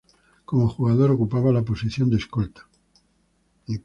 Como jugador, ocupaba la posición de Escolta.